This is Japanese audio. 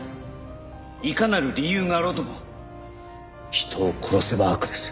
いかなる理由があろうとも人を殺せば悪です。